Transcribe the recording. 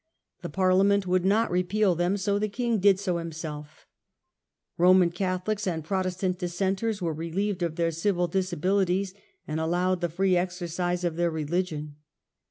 The Parliament would not repeal them, so the king did so himself. TheDeciara Ronian Catholics and Protestant Dissenters tion". ^ere relieved of their civil disabilities, and allowed the free exercise of their religion.